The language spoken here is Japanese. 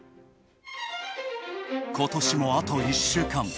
ことしも、あと１週間。